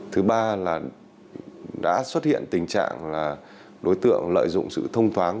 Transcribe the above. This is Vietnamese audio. thứ ba là đã xuất hiện tình trạng là đối tượng lợi dụng sự thông thoáng